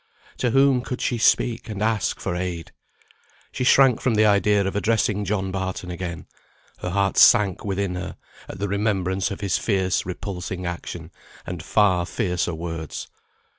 To whom could she speak and ask for aid? She shrank from the idea of addressing John Barton again; her heart sank within her, at the remembrance of his fierce repulsing action, and far fiercer words.